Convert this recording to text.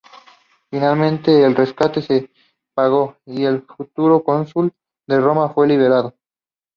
Finalmente el rescate se pagó y el futuro cónsul de Roma fue liberado.